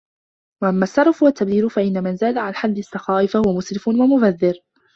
وَأَمَّا السَّرَفُ وَالتَّبْذِيرُ فَإِنَّ مَنْ زَادَ عَلَى حَدِّ السَّخَاءِ فَهُوَ مُسْرِفٌ وَمُبَذِّرٌ